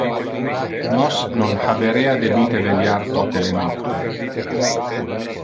Nos non haberea debite veliar tote le nocte.